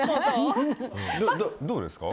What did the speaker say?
どうですか？